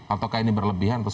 ataukah ini berlebihan